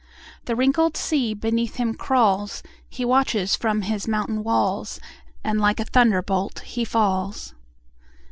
The wrinkled sea beneath him crawls; He watches from his mountain walls, And like a thunderbolt he falls.